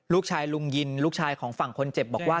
ลุงยินลูกชายของฝั่งคนเจ็บบอกว่า